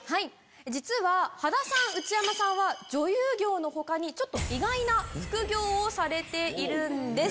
実は羽田さん内山さんは女優業の他に意外な副業をされているんです。